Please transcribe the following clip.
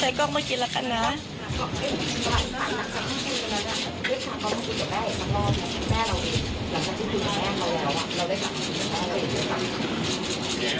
ขวัญก็จะต้องมีกองดูอยู่ขวัญอยากจะพูดกับพี่เขาไหม